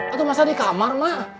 atau masa di kamar ma